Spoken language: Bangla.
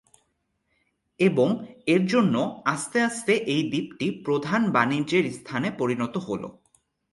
এবং এর জন্য আস্তে আস্তে এই দ্বীপটি প্রধাণ বাণিজ্যের স্থানে পরিণত হল।